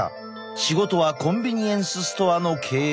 仕事はコンビニエンスストアの経営。